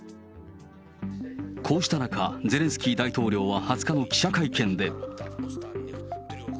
こうした中、ゼレンスキー大統領は２０日の記者会見で。